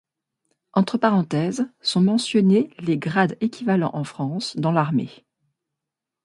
Entre parenthèses, sont mentionnés les grades équivalents en France, dans l’armée.